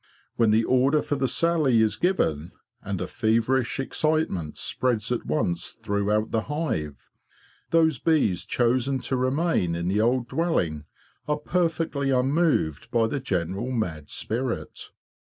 When the order for the sally is given, and a feverish excitement spreads at once throughout the hive, those bees chosen to remain in the old dwelling are perfectly unmoved by the general mad spirit.